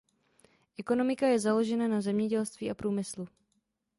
Ekonomika je založena na zemědělství a průmyslu.